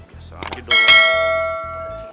biasa aja dong